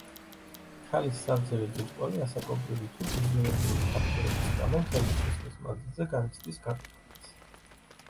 ქალის სარძევე ჯირკვალი ასაკობრივი თუ ფიზიოლოგიური ფაქტორების გამო მთელი სიცოცხლის მანძილზე განიცდის გარდაქმნას.